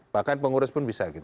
bahkan pengurus pun bisa